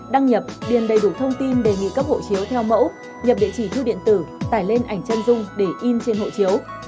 đăng nhập điền đầy đủ thông tin đề nghị cấp hộ chiếu theo mẫu nhập địa chỉ thư điện tử tải lên ảnh chân dung để in trên hộ chiếu